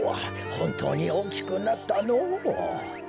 ほんとうにおおきくなったのう。